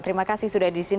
terima kasih sudah di sini